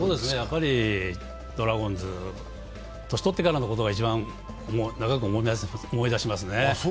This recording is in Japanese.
やっぱりドラゴンズ、年取ってからのことが一番長く思い出しますね。